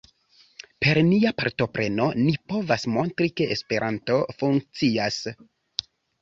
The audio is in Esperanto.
Per nia partopreno, ni povas montri ke Esperanto funkcias.